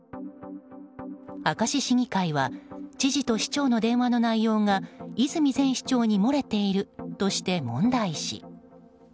明石市議会は知事と市長の電話の内容が泉前市長に漏れているとして問題視。